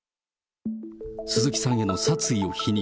鈴木さんへの殺意を否認。